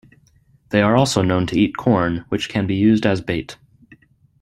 They are also known to eat corn, which can be used as bait.